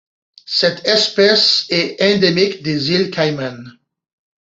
Cette espèce est endémique des îles Caïmans.